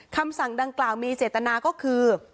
คำสั่งดังกล่าวมีเจตนาก็คือ